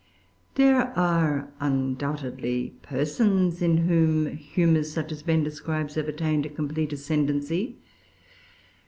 There are undoubtedly persons in whom humors such as Ben describes have attained a complete ascendency.